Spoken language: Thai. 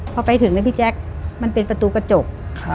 พอไปถึงนะพี่แจ๊คมันเป็นประตูกระจก